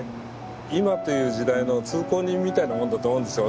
今という時代の通行人みたいなもんだと思うんですよ。